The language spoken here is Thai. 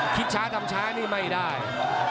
คิดช้าทำช้านี่ไม่ได้